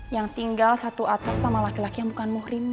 yang tinggal satu atap sama laki laki yang bukan muhrini